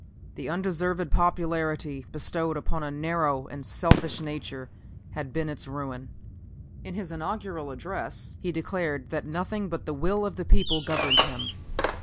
The undeserved popularity bestowed upon a narrow and selfish nature had been its ruin. In his inaugural address he declared that nothing but the will of the people governed him.